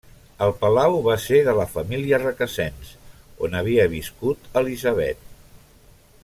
El palau va ser de la família Requesens, on havia viscut Elisabet.